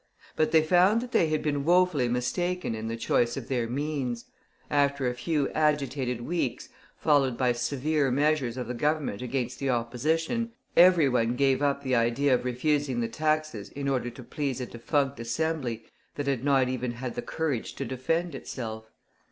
But they found that they had been woefully mistaken in the choice of their means. After a few agitated weeks, followed by severe measures of the Government against the Opposition, everyone gave up the idea of refusing the taxes in order to please a defunct Assembly that had not even had the courage to defend itself.